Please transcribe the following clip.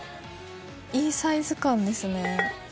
いいサイズ感ですね。